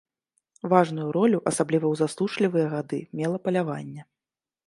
Важную ролю асабліва ў засушлівыя гады мела паляванне.